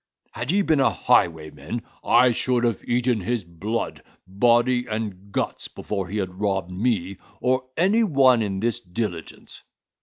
Had he been a highwayman, I should have eaten his blood, body, and guts, before he had robbed me, or any one in this diligence."